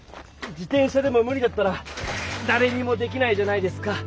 自転車でもむ理だったらだれにもできないじゃないですか。